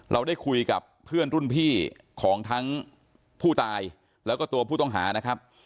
เราได้คุยกับเพื่อนรุ่นพี่ของทั้งผู้ตายแล้วก็ตัวผู้ต้องหานะครับ